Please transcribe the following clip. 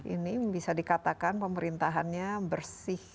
ini bisa dikatakan pemerintahannya bersih